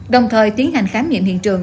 đồng thời tiến hành khám nghiệm hiện trường